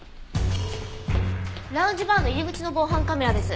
ラウンジバーの入り口の防犯カメラです。